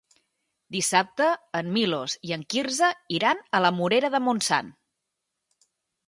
Dissabte en Milos i en Quirze iran a la Morera de Montsant.